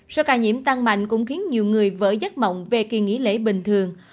số ca nhiễm tăng mạnh cũng khiến nhiều người vỡ giấc mộng về kỳ nghỉ lễ bình thường